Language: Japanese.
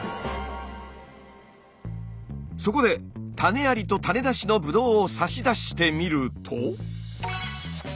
そこで種ありと種なしのブドウを差し出してみると。